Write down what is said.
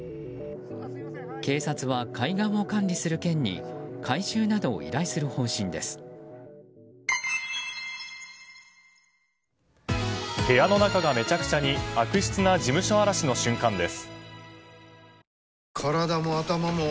警察は海岸を管理する県に回収などを依頼する方針です。